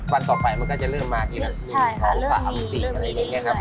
วันต่อไปมันก็จะเริ่มมาทีละ๑๒๓๔อะไรอย่างนี้ครับ